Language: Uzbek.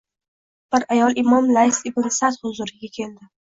Bir ayol imom Lays ibn Saʼd huzuriga keldi.